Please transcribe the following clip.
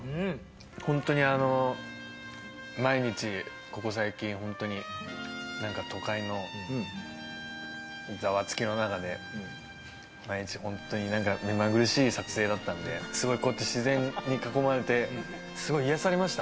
本当に毎日、ここ最近、都会のざわつきの中で、毎日本当に目まぐるしい撮影だったので、すごい、こっち自然に囲まれて、すごい癒やされました。